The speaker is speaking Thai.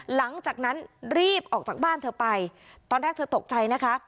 หลังจากนั้นรีบออกจากบ้านเธอไปตอนแรกเธอตกใจนะคะ